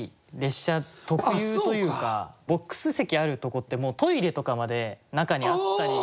ボックス席あるとこってもうトイレとかまで中にあったり。